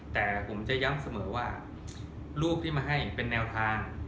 แต่ผมจะย้ำเสมอว่ารูปที่มาให้เป็นแนวทาง